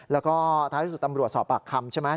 แล้วก็ท้ายที่สุดตำรวจสอบปากคำใช่ไหม